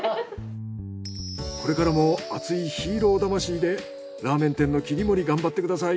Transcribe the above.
これからも熱いヒーロー魂でラーメン店の切り盛り頑張ってください。